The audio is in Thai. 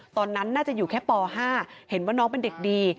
ตอนนั้นน่าจะอยู่แค่ป๕เห็นว่าน้องเป็นเด็กดี